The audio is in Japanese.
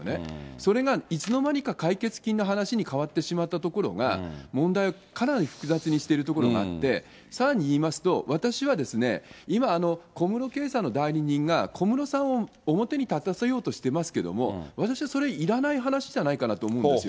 それがいつの間にか解決金の話に変わってしまったところが、問題をかなり複雑にしているところがあって、さらに言いますと、私はですね、今、小室圭さんの代理人が小室さんを表に立たせようとしてますけれども、私はそれ、いらない話じゃないかなと思うんですよ。